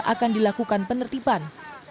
akan dilakukan penertiban